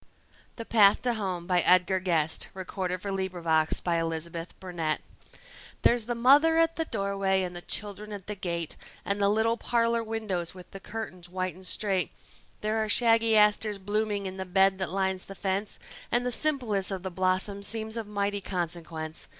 cher in the end Than a prince, if you're a friend. Edgar Guest The Path to Home THERE'S the mother at the doorway, and the children at the gate, And the little parlor windows with the curtains white and straight. There are shaggy asters blooming in the bed that lines the fence, And the simplest of the blossoms seems of mighty consequence.